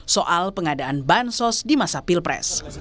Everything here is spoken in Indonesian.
soal pengadaan bansos di masa pilpres